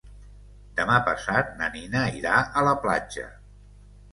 Demà passat na Nina irà a la platja.